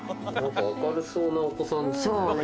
明るそうなお子さんですね。